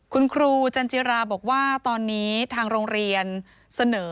คุณครูจันจิราบอกว่าตอนนี้ทางโรงเรียนเสนอ